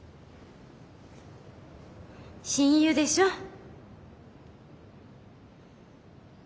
親友でしょ？